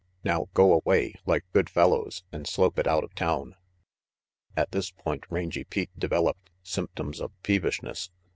Now go away, like good fellows, and slope it out of town." At this point Rangy Pete developed symptoms of peevishness.